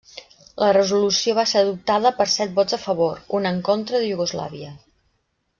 La resolució va ser adoptada per set vots a favor, un en contra de Iugoslàvia.